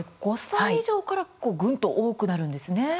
５歳以上からぐんと多くなるんですね。